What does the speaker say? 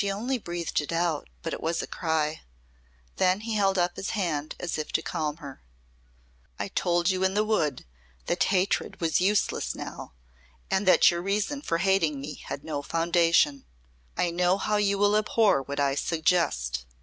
she only breathed it out but it was a cry. Then he held up his hand as if to calm her. "I told you in the wood that hatred was useless now and that your reason for hating me had no foundation. I know how you will abhor what I suggest.